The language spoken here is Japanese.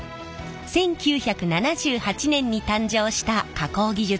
１９７８年に誕生した加工技術なんです。